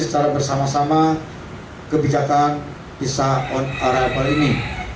secara bersama sama kebijakan visa on arrival ini